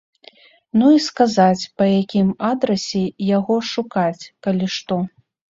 Ну, і сказаць, па якім адрасе яго шукаць, калі што.